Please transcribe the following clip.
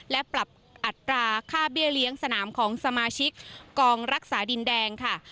และปรับอัตราค่าเบี้ยเลี้ยงสนามของสมาชิกกองรักษาดินแดงค่ะ